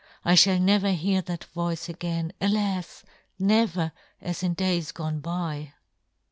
I (hall never hear that ' voice again, alas ! never as in days ' gone by